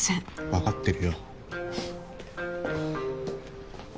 分かってるよ。